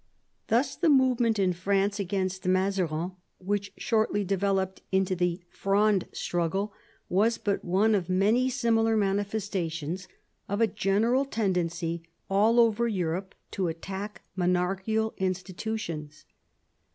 Thus the movement in France against Mazarin, which shcMTtly developed into the Fronde struggle, was but one of many similar manifestations of a general tendency all over Europe to attack monarchical institutions.